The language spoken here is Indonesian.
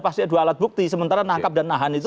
pasti dua alat bukti sementara nangkap dan nahan itu